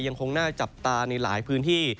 ยังคงน่าจับตาในหลายพื้นที่